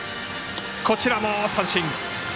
こちらも三振。